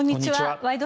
「ワイド！